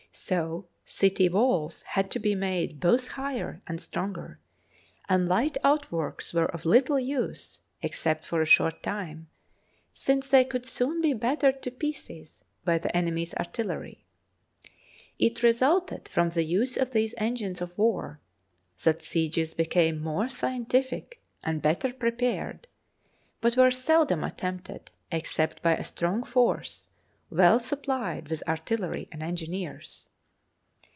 So city walls had to be made both higher and stronger, and light outworks were of little use except for a short time, since they could soon be battered to pieces by the enemy's artillery. It resulted from the use of these engines of war that sieges became more scientific and better pre pared, but were seldom attempted except by a THE SECOND PERIOD strong force well supplied with artillery and en gineers.